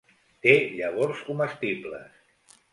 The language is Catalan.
Té llavors comestibles.